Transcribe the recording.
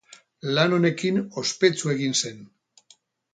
Lan honekin ospetsu egin zen.